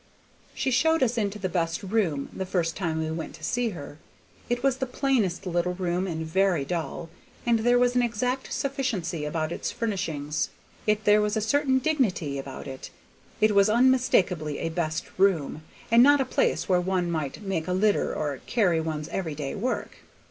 She showed us into the best room the first time we went to see her. It was the plainest little room, and very dull, and there was an exact sufficiency about its furnishings. Yet there was a certain dignity about it; it was unmistakably a best room, and not a place where one might make a litter or carry one's every day work.